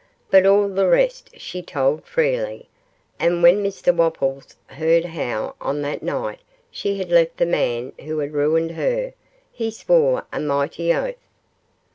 But all the rest she told freely, and when Mr Wopples heard how on that night she had left the man who had ruined her, he swore a mighty oath.